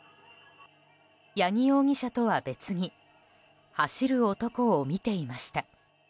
八木容疑者とは別に走る男を見ていました。